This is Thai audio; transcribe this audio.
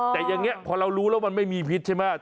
แต่อย่างนี้พอเรารู้แล้วมันไม่มีพิษใช่ไหม